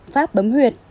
pháp bấm huyệt